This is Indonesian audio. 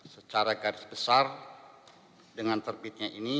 secara garis besar dengan terbitnya ini